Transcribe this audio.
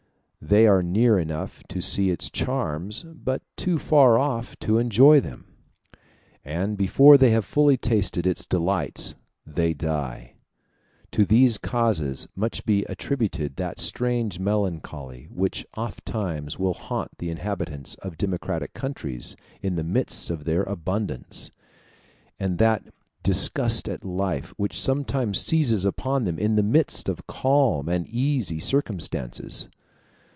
They are near enough to see its charms, but too far off to enjoy them; and before they have fully tasted its delights they die. To these causes must be attributed that strange melancholy which oftentimes will haunt the inhabitants of democratic countries in the midst of their abundance, and that disgust at life which sometimes seizes upon them in the midst of calm and easy circumstances.